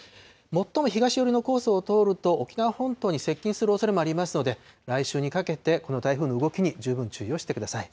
最も東寄りのコースを通ると、沖縄本島に接近するおそれもありますので、来週にかけて、この台風の動きに十分注意をしてください。